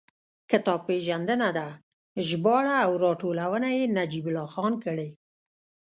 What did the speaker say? کتاب پېژندنه ده، ژباړه او راټولونه یې نجیب الله خان کړې.